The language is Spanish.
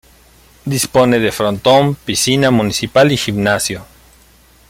Dispone de frontón, piscina municipal y gimnasio.